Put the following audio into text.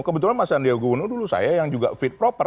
kebetulan mas sandiaga uno dulu saya yang juga fit proper